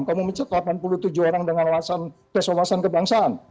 kamu mencetak delapan puluh tujuh orang dengan keselosan kebangsaan